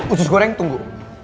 usus goreng tunggu